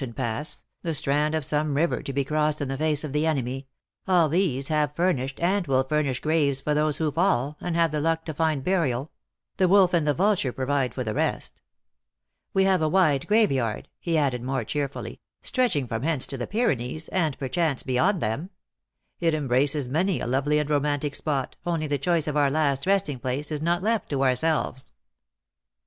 181 tain pass, the strand of some river to be crossed in the face of the enemy all these have furnished, and will furnish graves for those who fall, and have the luck to find burial ; the wolf and the vulture provide for the rest. We have a wide graveyard," he added, more cheerfully, " stretching from hence to the Pyr enees, and, perchance, beyond them. It embraces many a lovely and romantic spot, only the choice of our last resting place is not left to ourselves."